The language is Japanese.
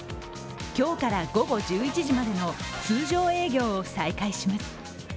今日から午後１１時までの通常営業を再開します。